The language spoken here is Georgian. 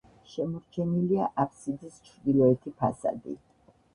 შემორჩენილია აბსიდის ჩრდილოეთი ფასადი.